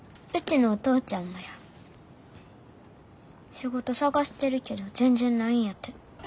仕事探してるけど全然ないんやて。